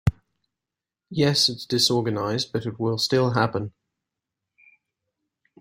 Yes, it’s disorganized but it will still happen.